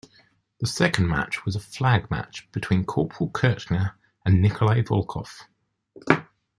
The second match was a flag match between Corporal Kirchner and Nikolai Volkoff.